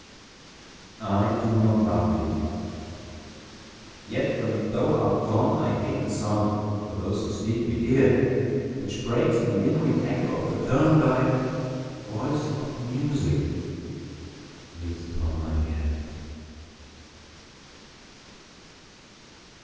I do not love thee! yet when thou art gone I hate the sound (though those who speak be dear) Which breaks the lingering echo of the tone Thy voice of music leaves upon my ear.